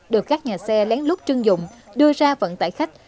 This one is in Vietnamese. được các nhà xe lén lút chưng dụng đưa ra vận tải khách